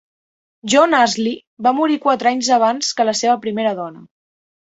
John Ashley va morir quatre anys abans que la seva primera dona.